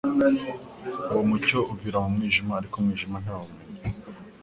Uwo mucyo uvira mu mwijima, ariko umwijilna ntiwawumenya."